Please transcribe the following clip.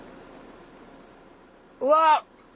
うわっ！